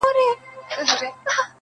ما پردی ملا لیدلی په محراب کي ځړېدلی!.